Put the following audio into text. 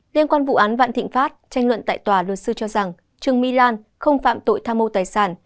liên quan vụ án vạn thịnh pháp tranh luận tại tòa luật sư cho rằng trương mỹ lan không phạm tội tham mô tài sản